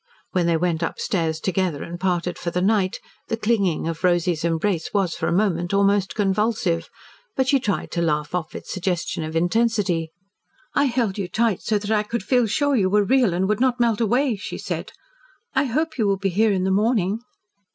When they went upstairs together and parted for the night, the clinging of Rosy's embrace was for a moment almost convulsive. But she tried to laugh off its suggestion of intensity. "I held you tight so that I could feel sure that you were real and would not melt away," she said. "I hope you will be here in the morning."